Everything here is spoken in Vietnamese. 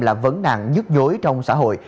là vấn nạn nhất dối trong xã hội